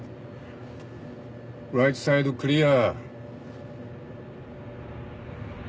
ライトサイドクリア。